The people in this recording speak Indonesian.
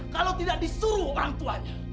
kalau tidak disuruh orang tuanya